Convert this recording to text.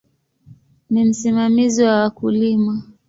Ni msimamizi wa wakulima.